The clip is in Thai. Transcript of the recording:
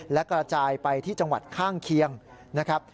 และกระจายไปที่จังหวัดข้างเคียงนะครับ